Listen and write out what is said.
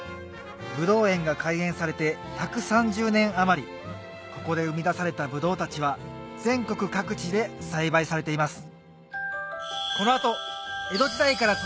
葡萄園が開園されて１３０年余りここで生み出されたぶどうたちは全国各地で栽培されています